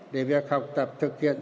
để việc học tập thực hiện